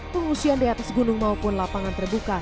pengungsian di atas gunung maupun lapangan terbuka